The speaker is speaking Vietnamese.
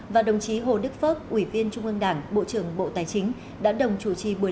và đồng chí hồ đức phước ủy viên trung ương đảng bộ trưởng bộ tài chính